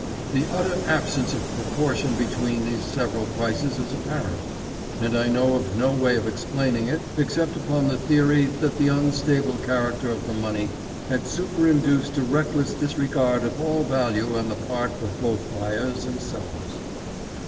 The utter absence of proportion between these several prices is apparent, and I know of no way of explaining it except upon the theory that the unstable character of the money had superinduced a reckless disregard of all value on the part of both buyers and sellers.